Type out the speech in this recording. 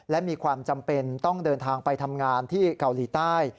และมีความจำเป็นต้องเดินทางไปทำงานที่เกาหลีใต้